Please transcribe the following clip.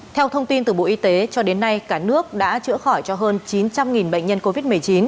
theo thông tin từ bộ y tế cho đến nay cả nước đã chữa khỏi cho hơn chín trăm linh bệnh nhân covid một mươi chín